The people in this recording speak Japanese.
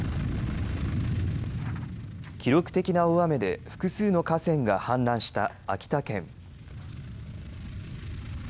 記録的な大雨で複数の河川が氾濫した秋田県。